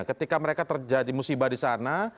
ketika mereka terjadi musibah di sana